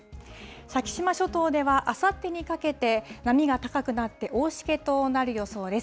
先島諸島ではあさってにかけて波が高くなって、大しけとなる予想です。